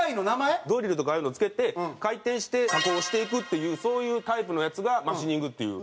ドリルとかああいうのを付けて回転して加工していくっていうそういうタイプのやつがマシニングっていう。